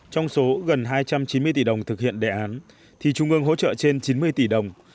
trong số gần hai trăm chín mươi tỷ đồng thực hiện đề án thì trung ương hỗ trợ trên chín mươi tỷ đồng